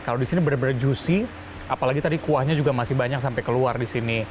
kalau di sini benar benar juicy apalagi tadi kuahnya juga masih banyak sampai keluar di sini